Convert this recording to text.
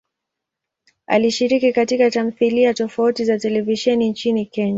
Alishiriki katika tamthilia tofauti za televisheni nchini Kenya.